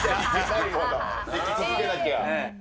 生き続けなきゃ。